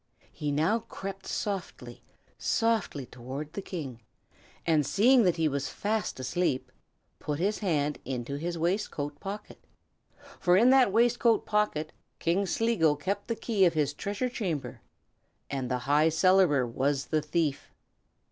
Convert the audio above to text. He now crept softly, softly, toward the King, and seeing that he was fast asleep, put his hand into his waistcoat pocket; for in that waistcoat pocket King Sligo kept the key of his treasure chamber, and the High Cellarer was the thief.